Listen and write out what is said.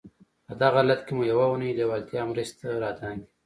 په دغه حالت کې مو يوه اورنۍ لېوالتیا مرستې ته را دانګي.